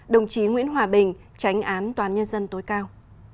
đồng chí nguyễn hòa bình tránh án toán nhân dân tối cao